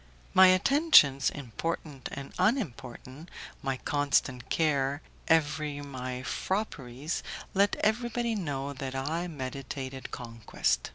My attentions, important and unimportant, my constant care, ever my fopperies, let everybody know that I meditated conquest.